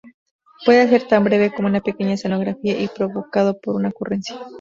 Puede ser tan breve como una pequeña escenografía y provocado por una ocurrencia.